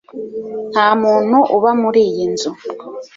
Nta muntu uba muri iyi nzu